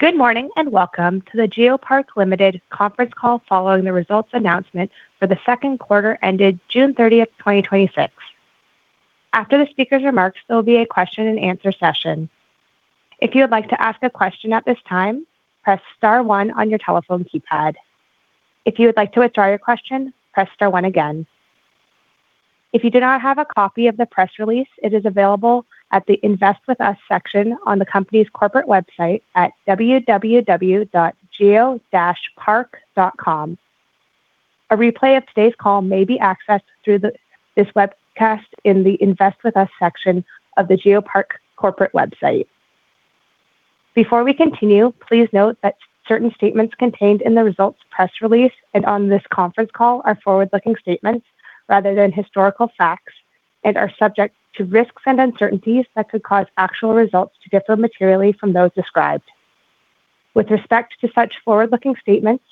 Good morning. Welcome to the GeoPark Limited conference call following the results announcement for the second quarter ended June 30, 2026. After the speaker's remarks, there will be a question and answer session. If you would like to ask a question at this time, press star one on your telephone keypad. If you would like to withdraw your question, press star one again. If you do not have a copy of the press release, it is available at the Invest With Us section on the company's corporate website at www.geo-park.com. A replay of today's call may be accessed through this webcast in the Invest With Us section of the GeoPark corporate website. Before we continue, please note that certain statements contained in the results press release and on this conference call are forward-looking statements rather than historical facts, are subject to risks and uncertainties that could cause actual results to differ materially from those described. With respect to such forward-looking statements,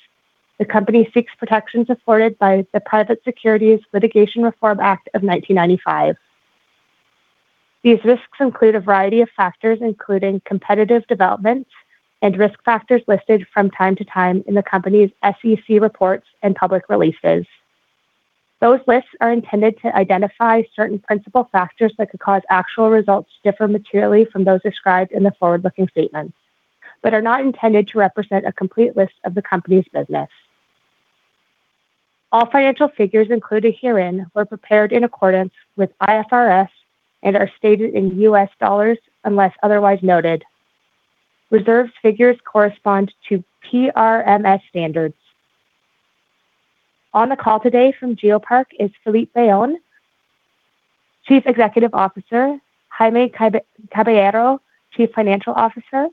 the company seeks protections afforded by the Private Securities Litigation Reform Act of 1995. These risks include a variety of factors, including competitive developments and risk factors listed from time to time in the company's SEC reports and public releases. Those lists are intended to identify certain principal factors that could cause actual results to differ materially from those described in the forward-looking statements, are not intended to represent a complete list of the company's business. All financial figures included herein were prepared in accordance with IFRS and are stated in US dollars unless otherwise noted. Reserved figures correspond to PRMS standards. On the call today from GeoPark is Felipe Bayon, Chief Executive Officer, Jaime Caballero, Chief Financial Officer,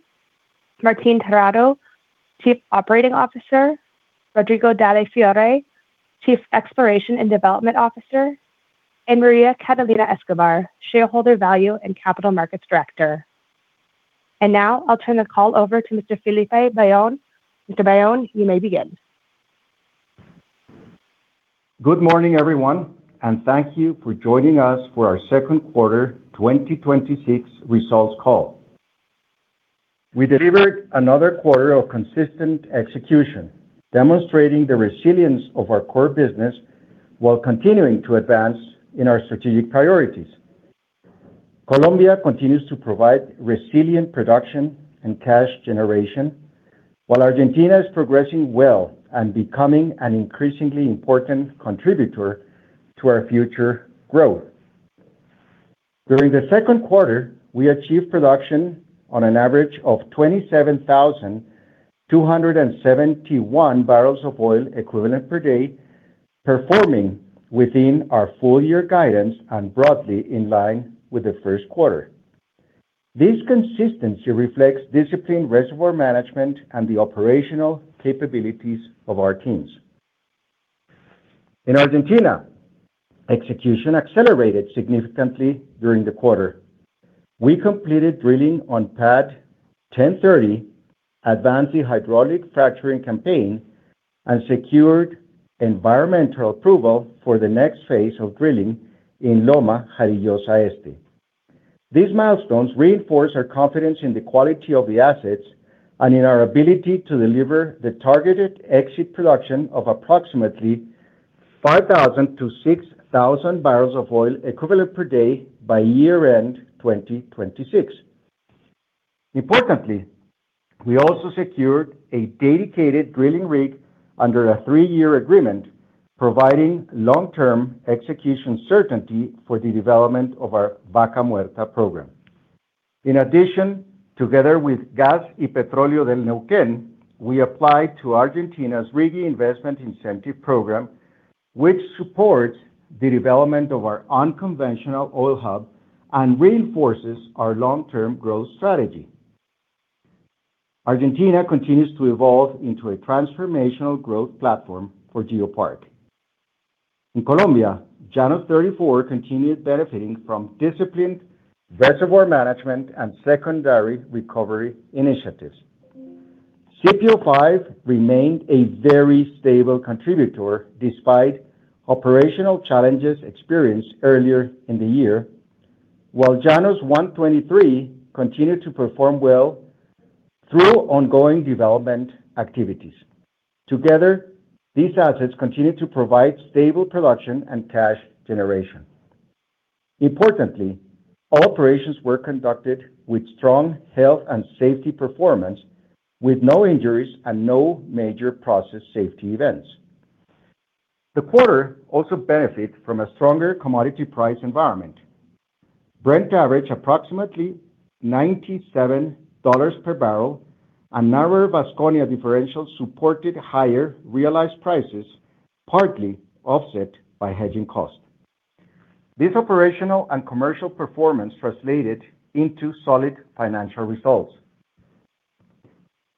Martín Terrado, Chief Operating Officer, Rodrigo Dalle Fiore, Chief Exploration and Development Officer, María Catalina Escobar, Shareholder Value and Capital Markets Director. Now I'll turn the call over to Mr. Felipe Bayon. Mr. Bayon, you may begin. Good morning, everyone. Thank you for joining us for our second quarter 2026 results call. We delivered another quarter of consistent execution, demonstrating the resilience of our core business while continuing to advance in our strategic priorities. Colombia continues to provide resilient production and cash generation while Argentina is progressing well and becoming an increasingly important contributor to our future growth. During the second quarter, we achieved production on an average of 27,271 bbl of oil equivalent per day, performing within our full year guidance and broadly in line with the first quarter. This consistency reflects disciplined reservoir management and the operational capabilities of our teams. In Argentina, execution accelerated significantly during the quarter. We completed drilling on Pad 1030, advanced the hydraulic fracturing campaign, secured environmental approval for the next phase of drilling in Loma Jarillosa Este. These milestones reinforce our confidence in the quality of the assets and in our ability to deliver the targeted exit production of approximately 5,000 to 6,000 bbl of oil equivalent per day by year-end 2026. Importantly, we also secured a dedicated drilling rig under a 3-year agreement, providing long-term execution certainty for the development of our Vaca Muerta program. In addition, together with Gas y Petróleo del Neuquén, we applied to Argentina's RIGI Investment Incentive Program, which supports the development of our unconventional oil hub and reinforces our long-term growth strategy. Argentina continues to evolve into a transformational growth platform for GeoPark. In Colombia, Llanos 34 continues benefiting from disciplined reservoir management and secondary recovery initiatives. CPO-5 remained a very stable contributor despite operational challenges experienced earlier in the year, while Llanos 123 continued to perform well through ongoing development activities. Together, these assets continue to provide stable production and cash generation. Importantly, all operations were conducted with strong health and safety performance, with no injuries and no major process safety events. The quarter also benefit from a stronger commodity price environment. Brent averaged approximately $97/bbl, a narrower Vasconia differential supported higher realized prices, partly offset by hedging costs. This operational and commercial performance translated into solid financial results.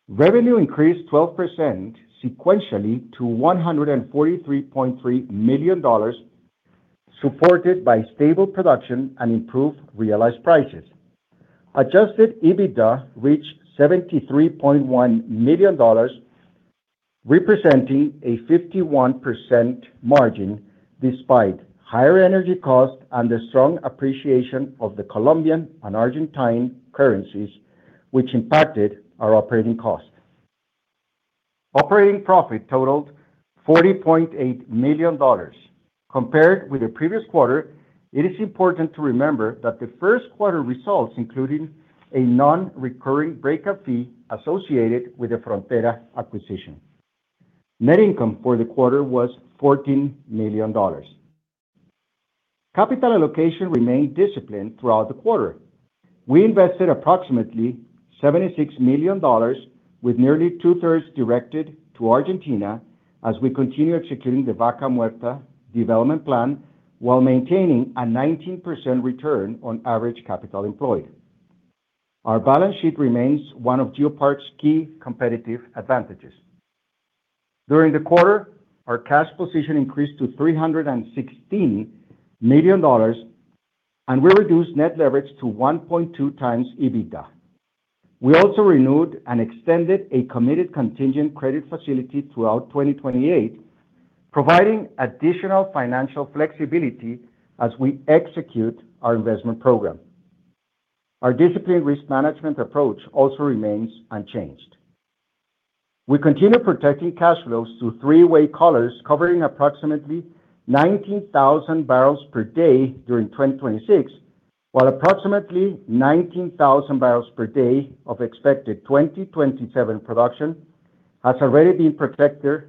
Revenue increased 12% sequentially to $143.3 million, supported by stable production and improved realized prices. Adjusted EBITDA reached $73.1 million, representing a 51% margin despite higher energy costs and the strong appreciation of the Colombian and Argentine currencies, which impacted our operating costs. Operating profit totaled $40.8 million. Compared with the previous quarter, it is important to remember that the first quarter results included a non-recurring breakup fee associated with the Frontera acquisition. Net income for the quarter was $14 million. Capital allocation remained disciplined throughout the quarter. We invested approximately $76 million with nearly two-thirds directed to Argentina as we continue executing the Vaca Muerta development plan while maintaining a 19% return on average capital employed. Our balance sheet remains one of GeoPark's key competitive advantages. During the quarter, our cash position increased to $316 million, and we reduced net leverage to 1.2x EBITDA. We also renewed and extended a committed contingent credit facility throughout 2028, providing additional financial flexibility as we execute our investment program. Our disciplined risk management approach also remains unchanged. We continue protecting cash flows through three-way collars covering approximately 19,000 bbl/day during 2026, while approximately 19,000 bbl/day of expected 2027 production has already been protected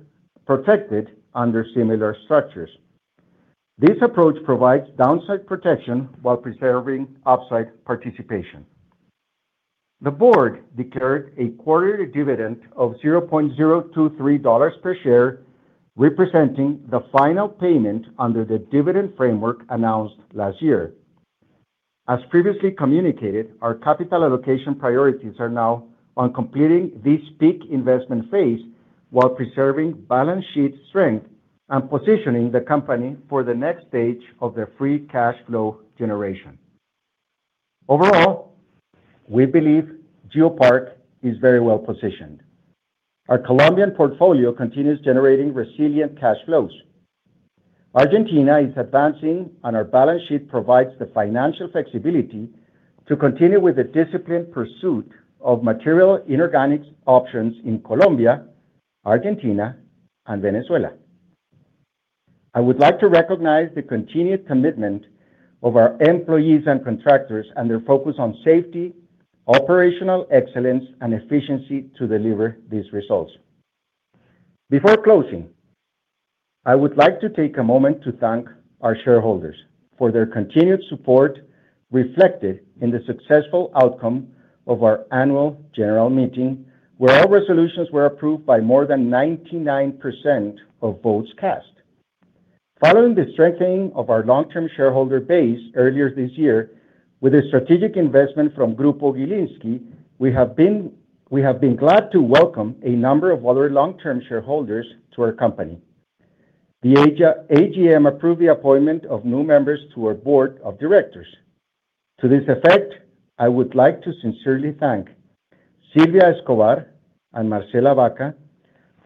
under similar structures. This approach provides downside protection while preserving upside participation. The board declared a quarterly dividend of $0.023 per share, representing the final payment under the dividend framework announced last year. As previously communicated, our capital allocation priorities are now on completing this peak investment phase while preserving balance sheet strength and positioning the company for the next stage of their free cash flow generation. Overall, we believe GeoPark is very well-positioned. Our Colombian portfolio continues generating resilient cash flows. Argentina is advancing, and our balance sheet provides the financial flexibility to continue with the disciplined pursuit of material inorganic options in Colombia, Argentina, and Venezuela. I would like to recognize the continued commitment of our employees and contractors and their focus on safety, operational excellence, and efficiency to deliver these results. Before closing, I would like to take a moment to thank our shareholders for their continued support reflected in the successful outcome of our annual general meeting, where all resolutions were approved by more than 99% of votes cast. Following the strengthening of our long-term shareholder base earlier this year with a strategic investment from Grupo Gilinski, we have been glad to welcome a number of other long-term shareholders to our company. The AGM approved the appointment of new members to our board of directors. To this effect, I would like to sincerely thank Sylvia Escovar and Marcela Vaca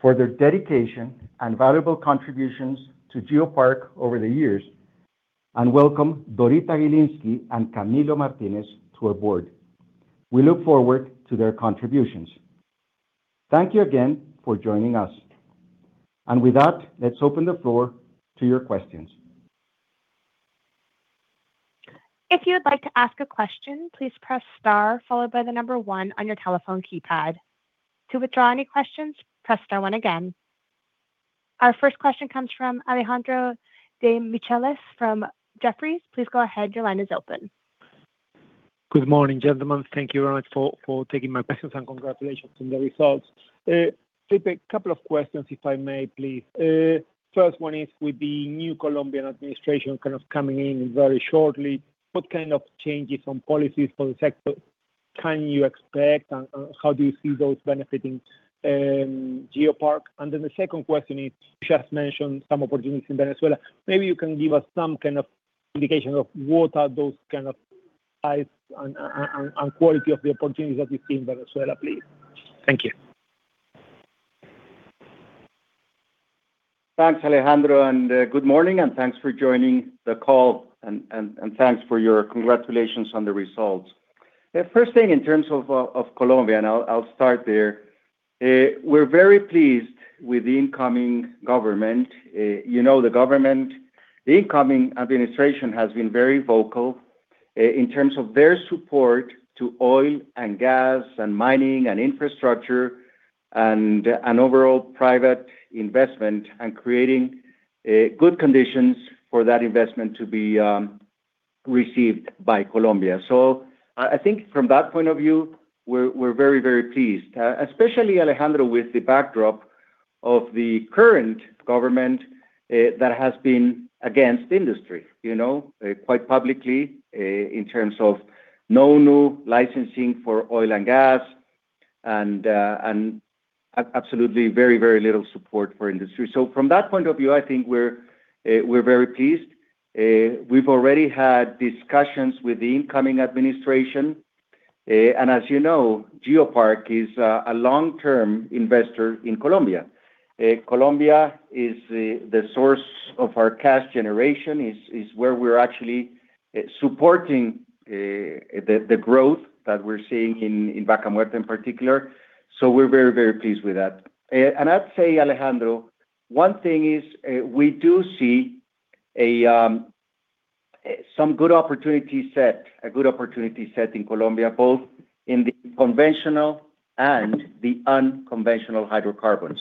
for their dedication and valuable contributions to GeoPark over the years, and welcome Dorita Gilinski and Camilo Martinez to our board. We look forward to their contributions. Thank you again for joining us. With that, let's open the floor to your questions. If you would like to ask a question, please press star followed by the number 1 on your telephone keypad. To withdraw any questions, press star 1 again. Our first question comes from Alejandro Demichelis from Jefferies. Please go ahead. Your line is open. Good morning, gentlemen. Thank you very much for taking my questions, and congratulations on the results. Felipe, couple of questions if I may, please. First one is with the new Colombian administration coming in very shortly, what kind of changes from policies for the sector can you expect, and how do you see those benefiting GeoPark? Then the second question is, you just mentioned some opportunities in Venezuela. Maybe you can give us some indication of what are those kind of types and quality of the opportunities that you see in Venezuela, please. Thank you. Thanks, Alejandro, good morning, thanks for joining the call, thanks for your congratulations on the results. First thing in terms of Colombia, I'll start there. We're very pleased with the incoming government. The incoming administration has been very vocal in terms of their support to oil and gas and mining and infrastructure and an overall private investment and creating good conditions for that investment to be received by Colombia. I think from that point of view, we're very pleased. Especially, Alejandro, with the backdrop of the current government that has been against industry, quite publicly in terms of no new licensing for oil and gas and absolutely very little support for industry. From that point of view, I think we're very pleased. We've already had discussions with the incoming administration. As you know, GeoPark is a long-term investor in Colombia. Colombia is the source of our cash generation. It's where we're actually supporting the growth that we're seeing in Vaca Muerta in particular. We're very, very pleased with that. I'd say, Alejandro, one thing is, we do see some good opportunity set, a good opportunity set in Colombia, both in the conventional and the unconventional hydrocarbons.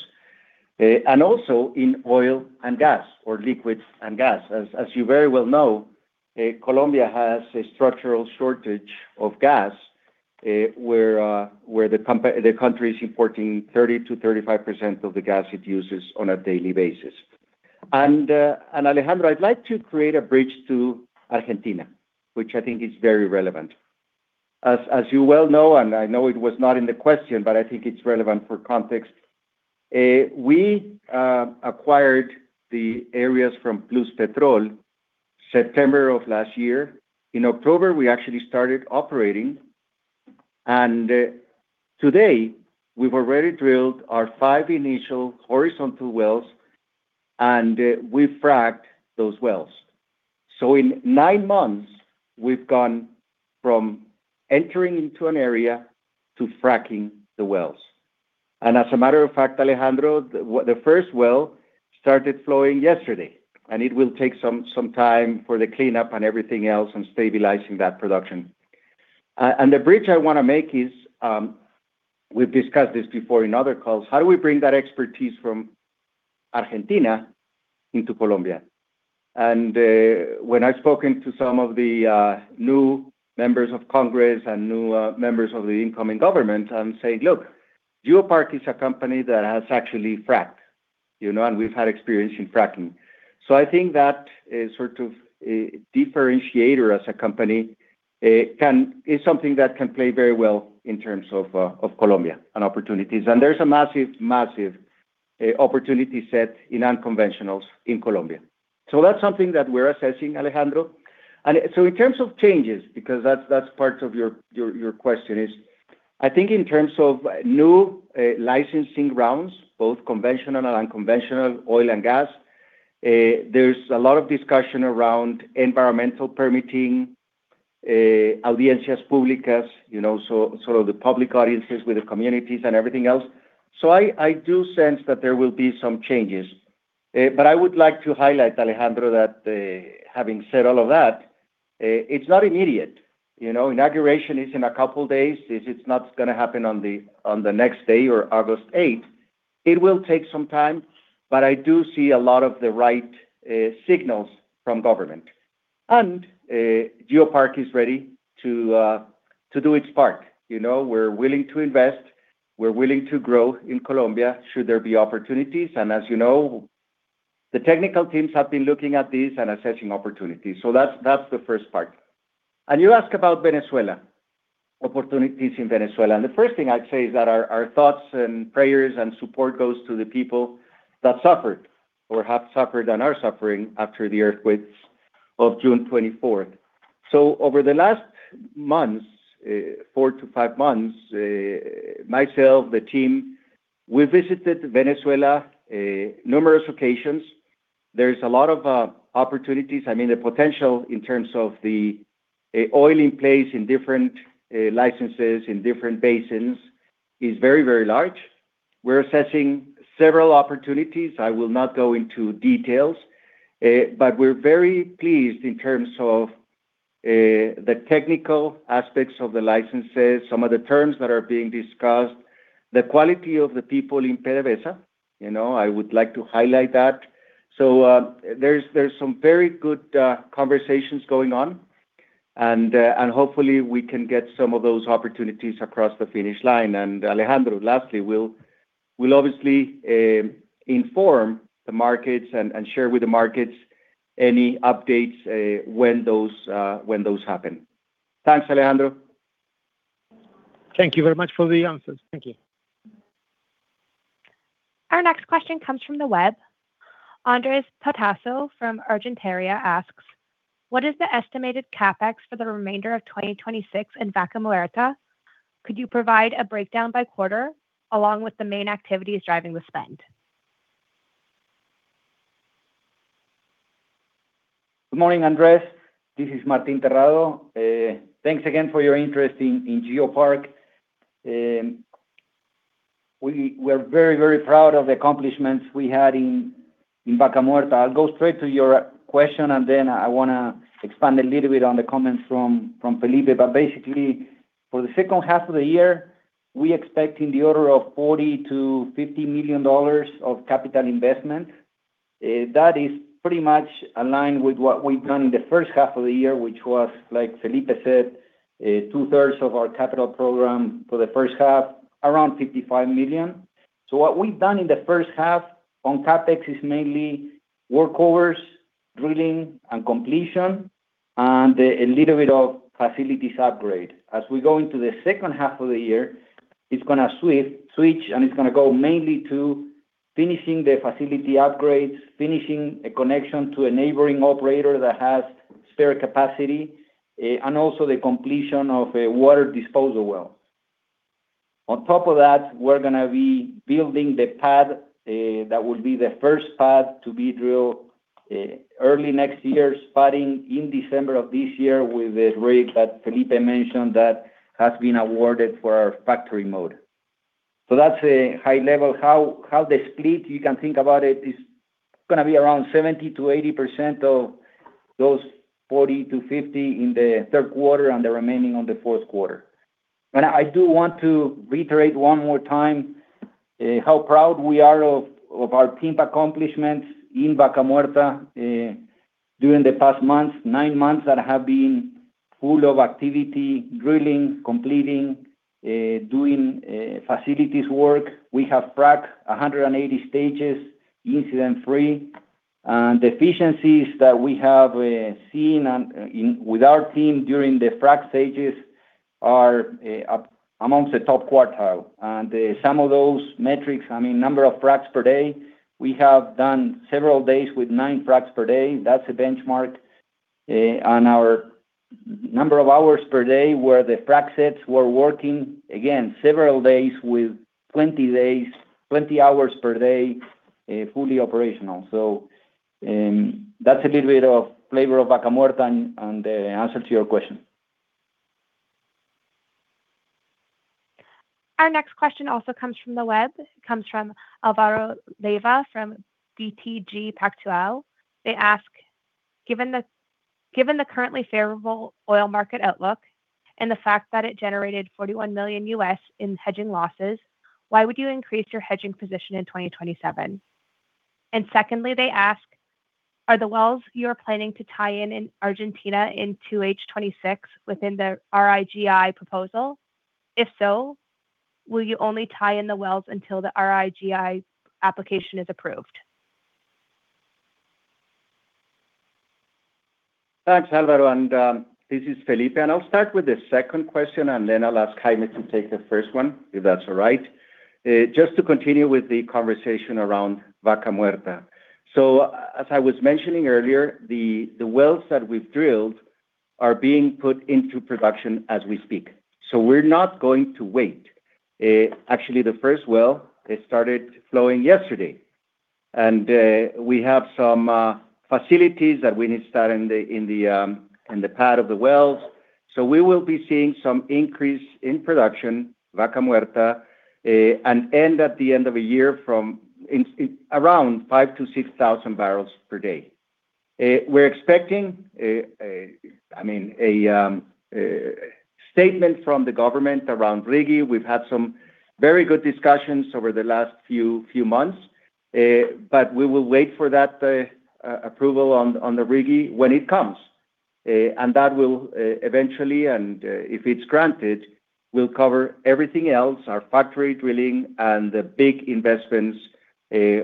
Also in oil and gas, or liquids and gas. You very well know, Colombia has a structural shortage of gas, where the country is importing 30%-35% of the gas it uses on a daily basis. Alejandro, I'd like to create a bridge to Argentina, which I think is very relevant. You well know, and I know it was not in the question, but I think it's relevant for context, we acquired the areas from Pluspetrol September of last year. In October, we actually started operating, today we've already drilled our five initial horizontal wells, and we fracked those wells. In nine months, we've gone from entering into an area to fracking the wells. As a matter of fact, Alejandro, the first well started flowing yesterday, and it will take some time for the cleanup and everything else, and stabilizing that production. The bridge I want to make is, we've discussed this before in other calls, how do we bring that expertise from Argentina into Colombia? When I've spoken to some of the new members of Congress and new members of the incoming government, I'm saying, "Look, GeoPark is a company that has actually fracked, and we've had experience in fracking." I think that is sort of a differentiator as a company. It's something that can play very well in terms of Colombia and opportunities. There's a massive opportunity set in unconventionals in Colombia. That's something that we're assessing, Alejandro. In terms of changes, because that's part of your question is, I think in terms of new licensing rounds, both conventional and unconventional oil and gas, there's a lot of discussion around environmental permitting, audiencias públicas, the public audiences with the communities and everything else. I do sense that there will be some changes. I would like to highlight, Alejandro, that having said all of that, it's not immediate. Inauguration is in a couple days. It's not going to happen on the next day or August 8th. It will take some time, but I do see a lot of the right signals from government. GeoPark is ready to do its part. We're willing to invest, we're willing to grow in Colombia should there be opportunities, as you know, the technical teams have been looking at this and assessing opportunities. That's the first part. You ask about Venezuela, opportunities in Venezuela, the first thing I'd say is that our thoughts and prayers and support goes to the people that suffered or have suffered and are suffering after the earthquakes of June 24th. Over the last months, four to five months, myself, the team, we visited Venezuela numerous occasions. There's a lot of opportunities. The potential in terms of the oil in place in different licenses, in different basins, is very large. We're assessing several opportunities. I will not go into details. We're very pleased in terms of the technical aspects of the licenses, some of the terms that are being discussed, the quality of the people in PDVSA. I would like to highlight that. There's some very good conversations going on, and hopefully we can get some of those opportunities across the finish line. Alejandro, lastly, we'll obviously inform the markets and share with the markets any updates when those happen. Thanks, Alejandro. Thank you very much for the answers. Thank you. Our next question comes from the web. Andres Pratasso from Argentaria asks, "What is the estimated CapEx for the remainder of 2026 in Vaca Muerta? Could you provide a breakdown by quarter, along with the main activities driving the spend? Good morning, Andres. This is Martín Terrado. Thanks again for your interest in GeoPark. We're very proud of the accomplishments we had in Vaca Muerta. I'll go straight to your question, then I want to expand a little bit on the comments from Felipe. Basically, for the second half of the year, we're expecting the order of $40 million-$50 million of capital investment. That is pretty much in line with what we've done in the first half of the year, which was, like Felipe said, two-thirds of our capital program for the first half, around $55 million. What we've done in the first half on CapEx is mainly workovers, drilling, and completion, and a little bit of facilities upgrade. As we go into the second half of the year, it's going to switch, and it's going to go mainly to Finishing the facility upgrades, finishing a connection to a neighboring operator that has spare capacity, and also the completion of a water disposal well. On top of that, we're going to be building the pad, that will be the first pad to be drilled early next year, starting in December of this year with the rig that Felipe mentioned that has been awarded for our factory mode. That's a high level how the split you can think about it is going to be around 70%-80% of those $40 million-$50 million in the third quarter, and the remaining on the fourth quarter. I do want to reiterate one more time, how proud we are of our team accomplishments in Vaca Muerta during the past nine months that have been full of activity, drilling, completing, doing facilities work. We have fracked 180 stages incident-free. The efficiencies that we have seen with our team during the frack stages are amongst the top quartile. Some of those metrics, number of fracks per day, we have done several days with nine fracks per day. That's a benchmark. On our number of hours per day where the frack sets were working, again, several days with 20 hours per day, fully operational. That's a little bit of flavor of Vaca Muerta and the answer to your question. Our next question also comes from the web. It comes from Alvaro Leyva from BTG Pactual. They ask, "Given the currently favorable oil market outlook and the fact that it generated $41 million in hedging losses, why would you increase your hedging position in 2027?" Secondly, they ask, "Are the wells you're planning to tie in Argentina in 2H 2026 within the RIGI proposal? If so, will you only tie in the wells until the RIGI application is approved? Thanks, Alvaro. This is Felipe. I'll start with the second question, then I'll ask Jaime to take the first one, if that's all right. Just to continue with the conversation around Vaca Muerta. As I was mentioning earlier, the wells that we've drilled are being put into production as we speak. We're not going to wait. Actually, the first well, it started flowing yesterday. We have some facilities that we need to start in the pad of the wells. We will be seeing some increase in production, Vaca Muerta, at the end of the year from around 5,000 bbl/day-6,000 bbl/day. We're expecting a statement from the government around RIGI. We've had some very good discussions over the last few months. We will wait for that approval on the RIGI when it comes. That will eventually, and if it's granted, will cover everything else, our factory drilling, and the big investments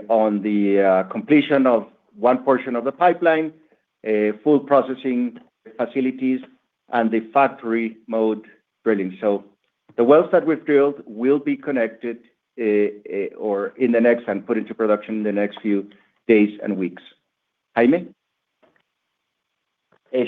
on the completion of one portion of the pipeline, full processing facilities, and the factory mode drilling. The wells that we've drilled will be connected and put into production in the next few days and weeks. Jaime?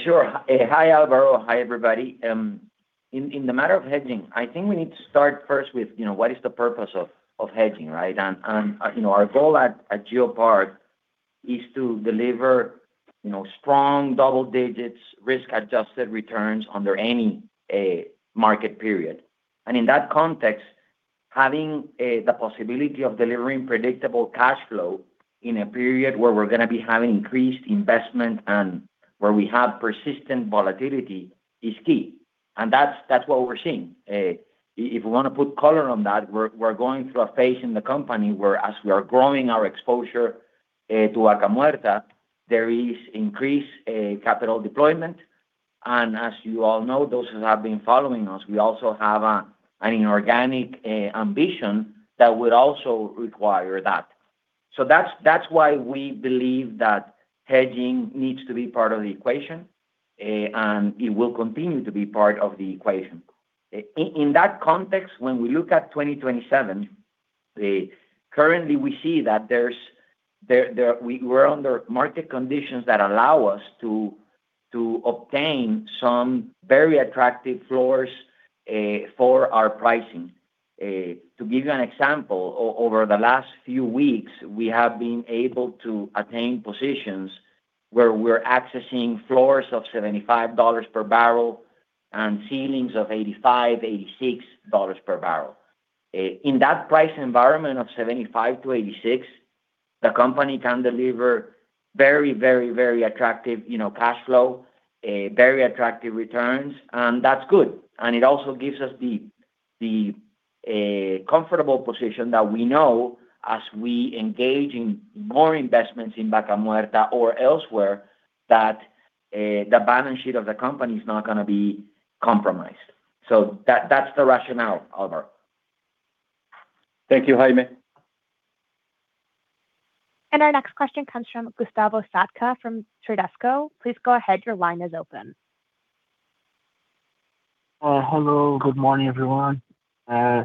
Sure. Hi, Alvaro. Hi, everybody. In the matter of hedging, I think we need to start first with what is the purpose of hedging, right? Our goal at GeoPark is to deliver strong double digits, risk-adjusted returns under any market period. In that context, having the possibility of delivering predictable cash flow in a period where we're going to be having increased investment and where we have persistent volatility is key. That's what we're seeing. If we want to put color on that, we're going through a phase in the company where as we are growing our exposure to Vaca Muerta, there is increased capital deployment. As you all know, those who have been following us, we also have an inorganic ambition that would also require that. That's why we believe that hedging needs to be part of the equation, and it will continue to be part of the equation. In that context, when we look at 2027, currently we see that we're under market conditions that allow us to obtain some very attractive floors for our pricing. To give you an example, over the last few weeks, we have been able to attain positions where we're accessing floors of $75/bbl and ceilings of $85/bbl, $86/bbl. In that price environment of $75 bbl/day-$86bbl/day, the company can deliver very attractive cash flow, very attractive returns, and that's good. It also gives us the comfortable position that we know as we engage in more investments in Vaca Muerta or elsewhere, that the balance sheet of the company is not going to be compromised. That's the rationale, Alvaro. Thank you, Jaime. Our next question comes from [Gustavo Satka from TrideCo]. Please go ahead, your line is open Hello. Good morning, everyone. I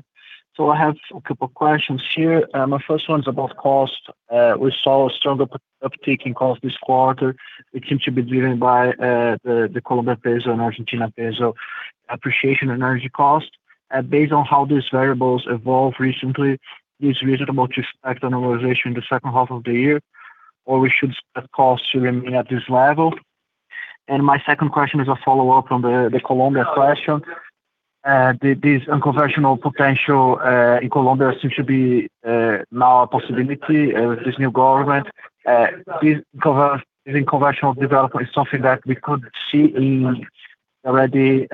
have a couple of questions here. My first one's about cost. We saw a strong uptick in cost this quarter, which seems to be driven by the Colombian peso and Argentine peso appreciation and energy cost. Based on how these variables evolved recently, is it reasonable to expect normalization in the second half of the year, or we should expect cost to remain at this level? My second question is a follow-up from the Colombia question. This unconventional potential in Colombia seems to be now a possibility with this new government. This conventional development is something that we could see in already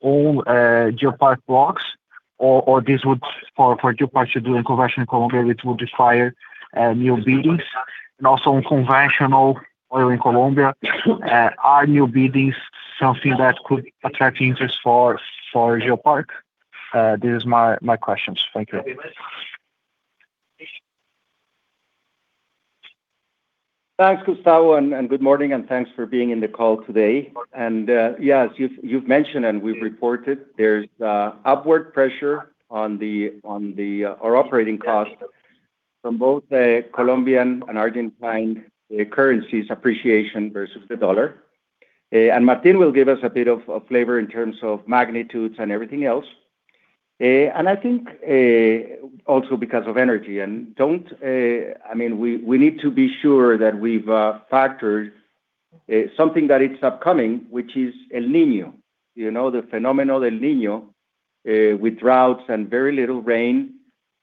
all GeoPark blocks, for GeoPark to do in conventional Colombia, which will require new biddings, and also unconventional oil in Colombia. Are new biddings something that could attract interest for GeoPark? These are my questions. Thank you. Thanks, Gustavo, good morning, and thanks for being in the call today. Yes, you've mentioned, and we've reported, there's upward pressure on our operating costs from both the Colombian and Argentine currencies appreciation versus the dollar. Martín will give us a bit of flavor in terms of magnitudes and everything else. I think, also because of energy, we need to be sure that we've factored something that it's upcoming, which is El Niño, the phenomenon El Niño, with droughts and very little rain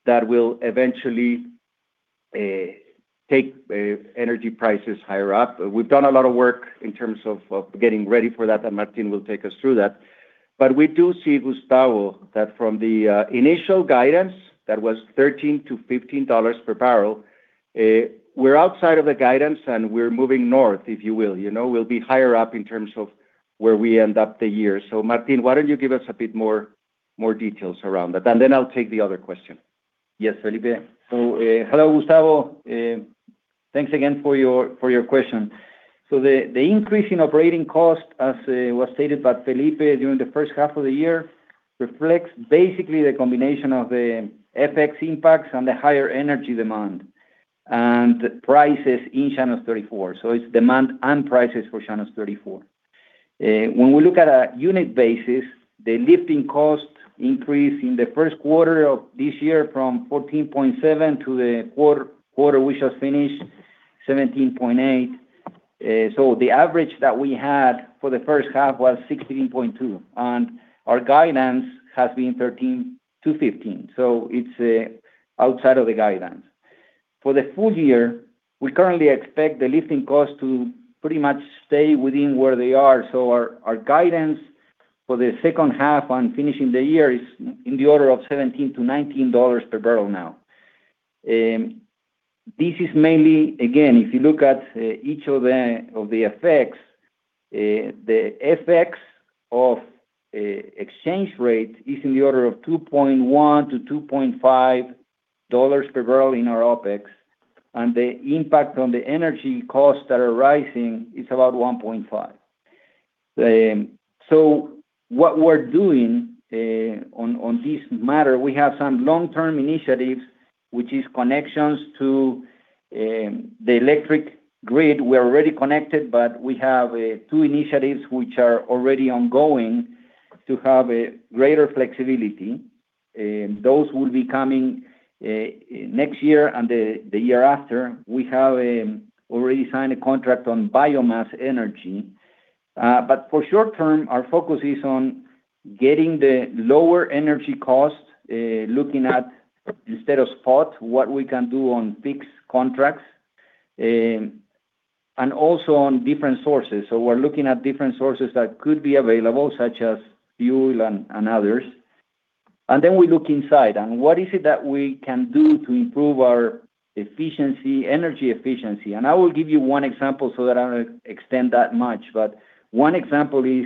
that will eventually take energy prices higher up. We've done a lot of work in terms of getting ready for that, Martín will take us through that. We do see, Gustavo, that from the initial guidance, that was $13/bbl-$15/bbl, we're outside of the guidance, and we're moving north, if you will. We'll be higher up in terms of where we end up the year. Martín, why don't you give us a bit more details around that? I'll take the other question. Yes, Felipe. Hello, Gustavo. Thanks again for your question. The increase in operating cost, as was stated by Felipe, during the first half of the year, reflects basically the combination of the FX impacts and the higher energy demand and prices in Llanos 34. It's demand and prices for Llanos 34. When we look at a unit basis, the lifting cost increase in the first quarter of this year from $14.7/bbl to the quarter we just finished, $17.8/bbl. The average that we had for the first half was $16.2/bbl, and our guidance has been $13/bbl-$15/bbl, so it's outside of the guidance. For the full year, we currently expect the lifting cost to pretty much stay within where they are. Our guidance for the second half on finishing the year is in the order of $17/bbl-$19/bbl now. This is mainly, again, if you look at each of the effects, the effects of exchange rate is in the order of $2.1/bbl-$2.5/bbl in our OpEx, and the impact on the energy costs that are rising is about $1.5/bbl. What we're doing on this matter, we have some long-term initiatives, which is connections to the electric grid. We're already connected, but we have two initiatives which are already ongoing to have a greater flexibility. Those will be coming next year and the year after. We have already signed a contract on biomass energy. For short term, our focus is on getting the lower energy cost, looking at, instead of spot, what we can do on fixed contracts, and also on different sources. We're looking at different sources that could be available, such as fuel and others. We look inside, and what is it that we can do to improve our energy efficiency? I will give you one example so that I don't extend that much. One example is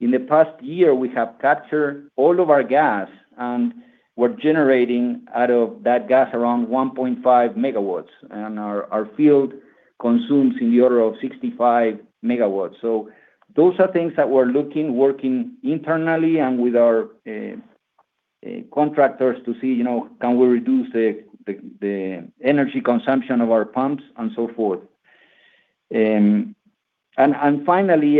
in the past year, we have captured all of our gas, and we're generating out of that gas around 1.5 MW, and our field consumes in the order of 65 MW. Those are things that we're looking, working internally and with our contractors to see, can we reduce the energy consumption of our pumps and so forth? Finally,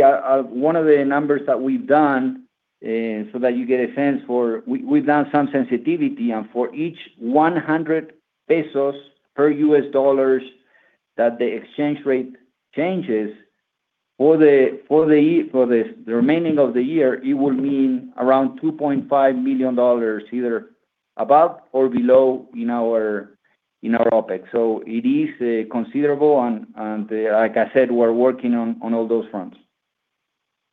one of the numbers that we've done so that you get a sense, we've done some sensitivity, and for each COP 100 per US dollars that the exchange rate changes, for the remaining of the year, it would mean around $2.5 million either above or below in our OPEX. It is considerable, and like I said, we're working on all those fronts.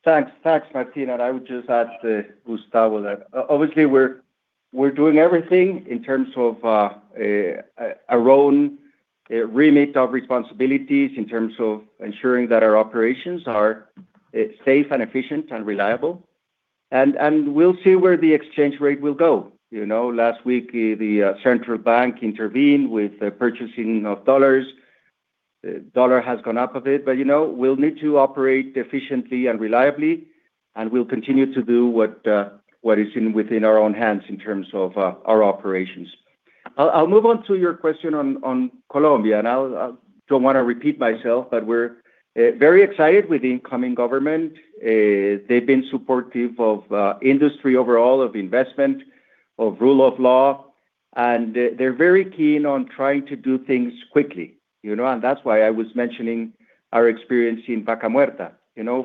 Thanks, Gustavo, I would just add to Gustavo that obviously we're doing everything in terms of our own remit of responsibilities, in terms of ensuring that our operations are safe and efficient and reliable. We'll see where the exchange rate will go. Last week, the Central Bank intervened with purchasing of dollars. The dollars has gone up a bit, but we'll need to operate efficiently and reliably, and we'll continue to do what is within our own hands in terms of our operations. I'll move on to your question on Colombia. I don't want to repeat myself, but we're very excited with the incoming government. They've been supportive of industry overall, of investment, of rule of law, and they're very keen on trying to do things quickly. That's why I was mentioning our experience in Vaca Muerta,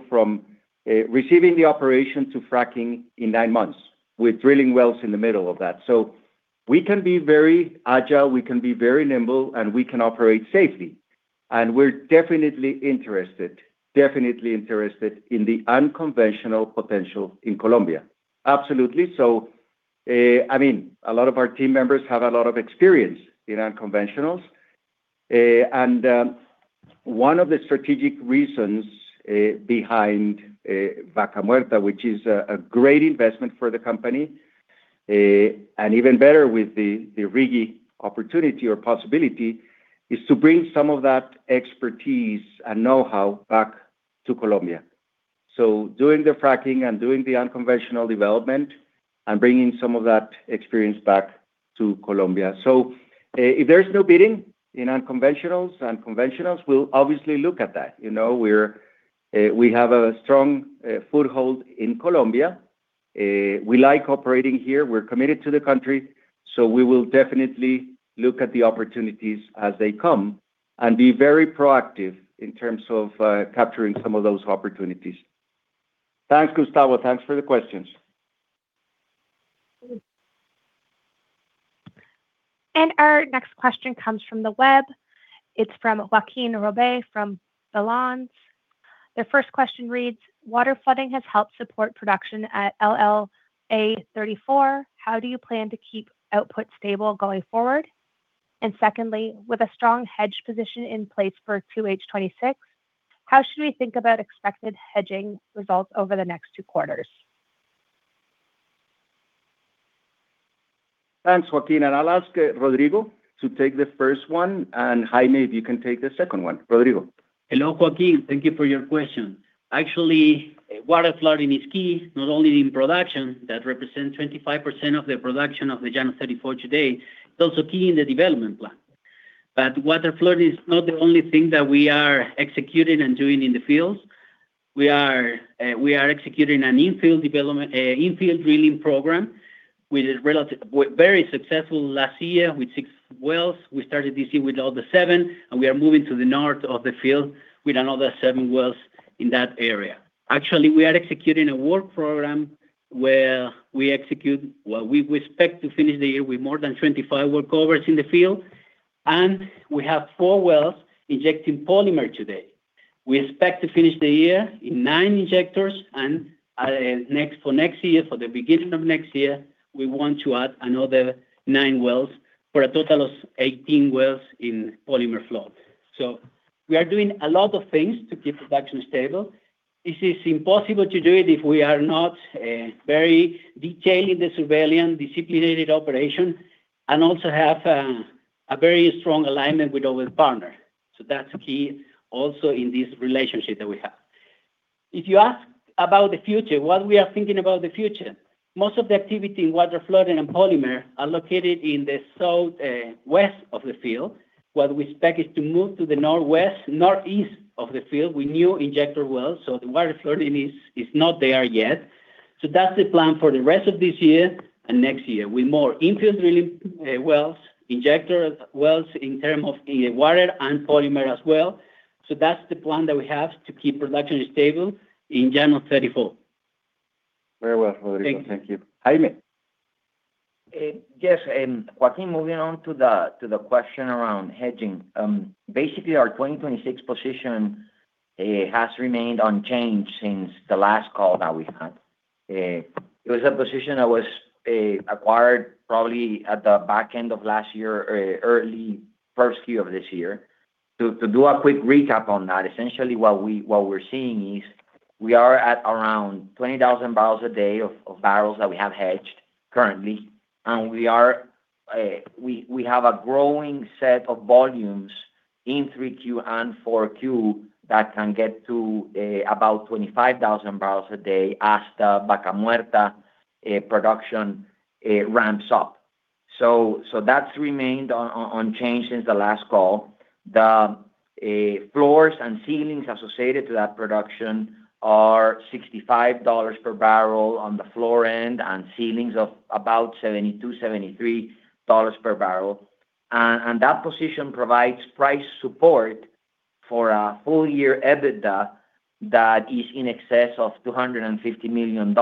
from receiving the operation to fracking in nine months, with drilling wells in the middle of that. We can be very agile, we can be very nimble, and we can operate safely. We're definitely interested in the unconventional potential in Colombia. Absolutely. A lot of our team members have a lot of experience in unconventionals. One of the strategic reasons behind Vaca Muerta, which is a great investment for the company, and even better with the RIGI opportunity or possibility, is to bring some of that expertise and know-how back to Colombia. Doing the fracking and doing the unconventional development and bringing some of that experience back to Colombia. If there's new bidding in unconventionals, we'll obviously look at that. We have a strong foothold in Colombia. We like operating here. We're committed to the country, so we will definitely look at the opportunities as they come and be very proactive in terms of capturing some of those opportunities. Thanks, Gustavo. Thanks for the questions. Our next question comes from the web. It's from Joaquin Robet from Balanz. Their first question reads: "Water flooding has helped support production at LLA-34. How do you plan to keep output stable going forward? Secondly, with a strong hedge position in place for 2H 2026, how should we think about expected hedging results over the next two quarters? Thanks, Joaquin. I'll ask Rodrigo to take the first one, Jaime, if you can take the second one. Rodrigo? Hello, Joaquin. Thank you for your question. Actually, water flooding is key, not only in production, that represents 25% of the production of the Llanos 34 today. It's also key in the development plan. Water flood is not the only thing that we are executing and doing in the fields. We are executing an infield drilling program, with very successful last year with six wells. We started this year with all the seven, and we are moving to the north of the field with another seven wells in that area. Actually, we are executing a work program where we expect to finish the year with more than 25 workovers in the field, and we have four wells injecting polymer today. We expect to finish the year in nine injectors, and for the beginning of next year, we want to add another nine wells for a total of 18 wells in polymer flood. We are doing a lot of things to keep production stable. This is impossible to do it if we are not very detailed in the surveillance, disciplined operation, and also have a very strong alignment with our partner. That's key also in this relationship that we have. If you ask about the future, what we are thinking about the future, most of the activity in water flooding and polymer are located in the southwest of the field. What we expect is to move to the northeast of the field with new injector wells, the water flooding is not there yet. That's the plan for the rest of this year and next year. With more infield drilling wells, injector wells in terms of water and polymer as well. That's the plan that we have to keep production stable in Llanos 34. Very well, Rodrigo. Thank you. Thank you. Jaime? Yes, Joaquin, moving on to the question around hedging. Our 2026 position has remained unchanged since the last call that we had. It was a position that was acquired probably at the back end of last year or early first Q of this year. To do a quick recap on that, essentially what we're seeing is we are at around 20,000 bbl/day of barrels that we have hedged currently. We have a growing set of volumes in 3Q and 4Q that can get to about 25,000bbl/day as the Vaca Muerta production ramps up. That's remained unchanged since the last call. The floors and ceilings associated to that production are $65/bbl on the floor end, and ceilings of about $72/bbl, $73/bbl. That position provides price support for a full year EBITDA that is in excess of $250 million,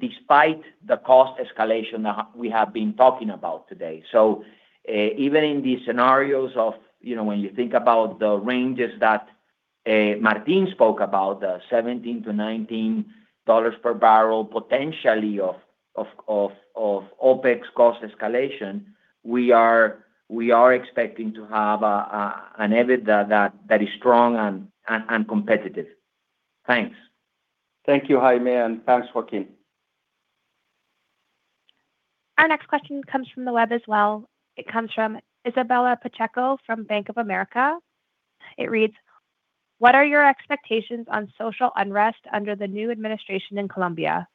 despite the cost escalation that we have been talking about today. Even in these scenarios of when you think about the ranges that Martín spoke about, the $17/bbl to $19/bbl potentially of OpEx cost escalation, we are expecting to have an EBITDA that is strong and competitive. Thanks. Thank you, Jaime, thanks, Joaquin. Our next question comes from the web as well. It comes from Isabella Pacheco from Bank of America. It reads, "What are your expectations on social unrest under the new administration in Colombia?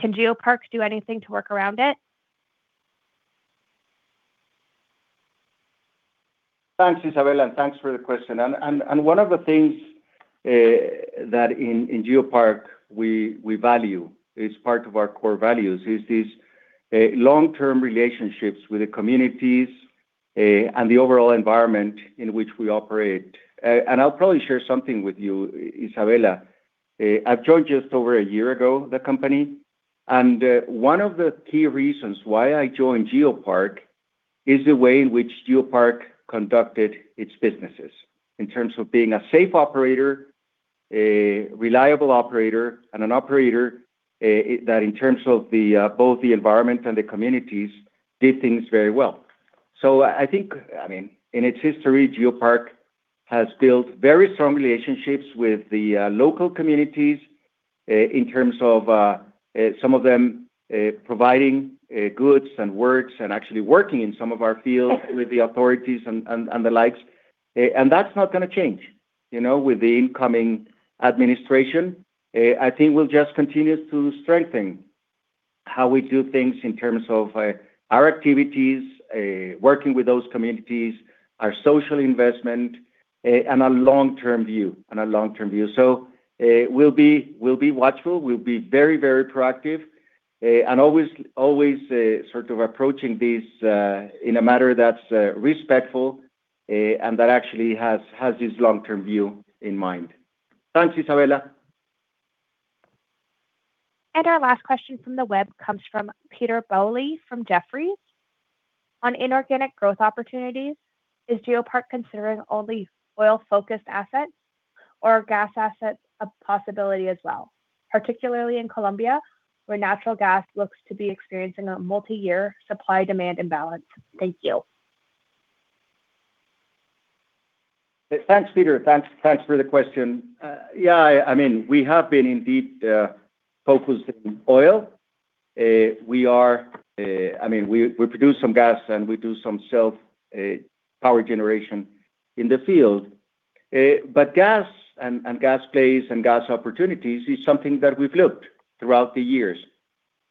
Can GeoPark do anything to work around it? Thanks, Isabella, and thanks for the question. One of the things that in GeoPark we value, it's part of our core values, is this long-term relationships with the communities, and the overall environment in which we operate. I'll probably share something with you, Isabella. I've joined just over a year ago, the company, and one of the key reasons why I joined GeoPark is the way in which GeoPark conducted its businesses in terms of being a safe operator, a reliable operator, and an operator that in terms of both the environment and the communities, did things very well. I think, in its history, GeoPark has built very strong relationships with the local communities in terms of some of them providing goods and works, and actually working in some of our fields with the authorities and the likes. That's not going to change. With the incoming administration, I think we'll just continue to strengthen how we do things in terms of our activities, working with those communities, our social investment, and a long-term view. We'll be watchful. We'll be very proactive, and always sort of approaching this in a manner that's respectful, and that actually has this long-term view in mind. Thanks, Isabella. Our last question from the web comes from Peter Bowley from Jefferies. "On inorganic growth opportunities, is GeoPark considering only oil-focused assets or gas assets a possibility as well, particularly in Colombia, where natural gas looks to be experiencing a multi-year supply-demand imbalance? Thank you. Thanks, Peter. Thanks for the question. We have been indeed focused on oil. We produce some gas, and we do some self power generation in the field. Gas and gas plays and gas opportunities is something that we've looked throughout the years.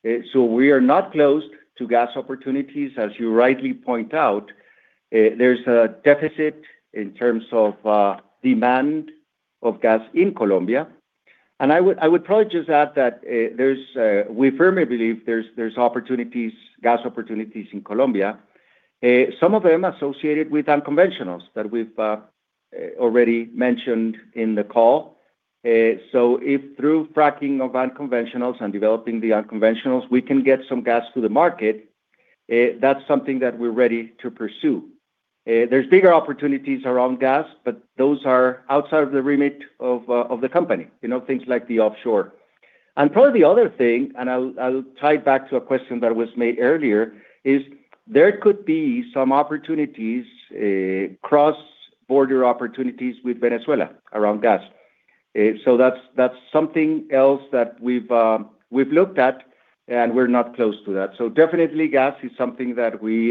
We are not closed to gas opportunities. As you rightly point out, there's a deficit in terms of demand of gas in Colombia. I would probably just add that we firmly believe there's gas opportunities in Colombia. Some of them associated with unconventionals that we've already mentioned in the call. If through fracking of unconventionals and developing the unconventionals, we can get some gas to the market, that's something that we're ready to pursue. There's bigger opportunities around gas, but those are outside of the remit of the company, things like the offshore. Probably the other thing, I'll tie it back to a question that was made earlier, is there could be some cross-border opportunities with Venezuela around gas. That's something else that we've looked at, and we're not closed to that. Definitely gas is something that we,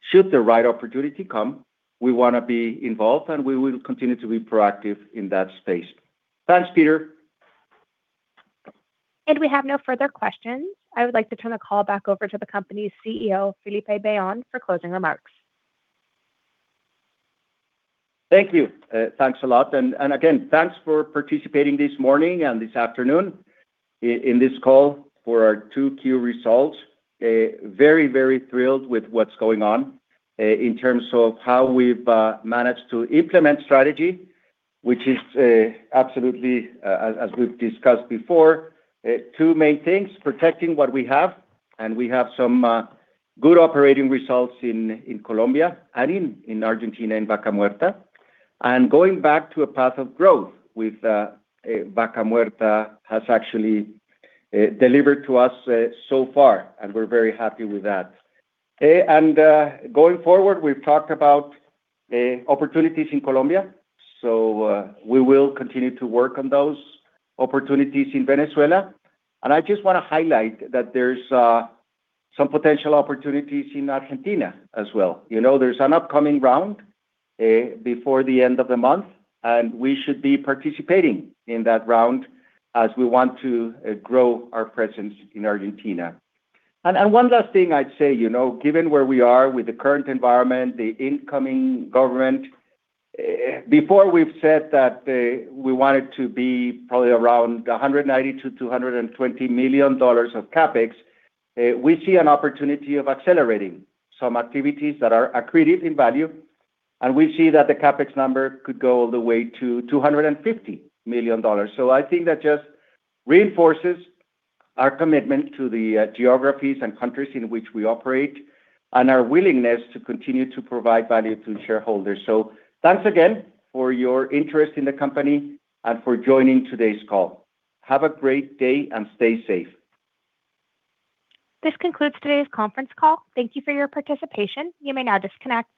should the right opportunity come, we want to be involved, and we will continue to be proactive in that space. Thanks, Peter. We have no further questions. I would like to turn the call back over to the company's CEO, Felipe Bayon, for closing remarks. Thank you. Thanks a lot. Again, thanks for participating this morning and this afternoon in this call for our 2Q results. Very thrilled with what's going on in terms of how we've managed to implement strategy, which is absolutely, as we've discussed before, two main things, protecting what we have, and we have some good operating results in Colombia and in Argentina in Vaca Muerta. Going back to a path of growth with Vaca Muerta has actually delivered to us so far, and we're very happy with that. Going forward, we've talked about opportunities in Colombia. We will continue to work on those opportunities in Venezuela. I just want to highlight that there's some potential opportunities in Argentina as well. There's an upcoming round before the end of the month, we should be participating in that round as we want to grow our presence in Argentina. One last thing I'd say, given where we are with the current environment, the incoming government, before we've said that we wanted to be probably around $190 million-$220 million of CapEx. We see an opportunity of accelerating some activities that are accretive in value, and we see that the CapEx number could go all the way to $250 million. I think that just reinforces our commitment to the geographies and countries in which we operate and our willingness to continue to provide value to shareholders. Thanks again for your interest in the company and for joining today's call. Have a great day, stay safe. This concludes today's conference call. Thank you for your participation. You may now disconnect.